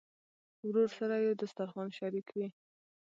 ورور سره یو دسترخوان شریک وي.